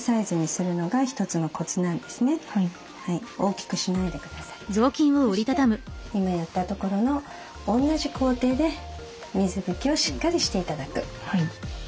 そして今やったところの同じ工程で水拭きをしっかりして頂く。